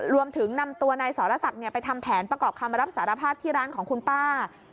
รวมถึงนำตัวนายสรศักดิ์ไปทำแผนประกอบคำรับสารภาพที่ร้านของคุณป้า